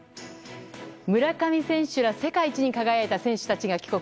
村上選手ら世界一に輝いた選手たちが帰国。